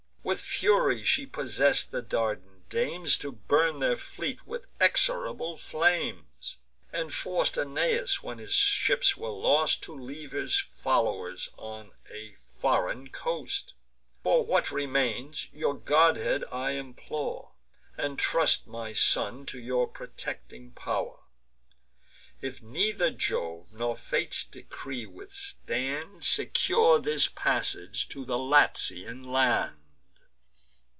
With fury she possess'd the Dardan dames, To burn their fleet with execrable flames, And forc'd Aeneas, when his ships were lost, To leave his foll'wers on a foreign coast. For what remains, your godhead I implore, And trust my son to your protecting pow'r. If neither Jove's nor Fate's decree withstand, Secure his passage to the Latian land."